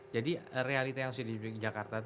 jadi realita yang sudah diberikan jakarta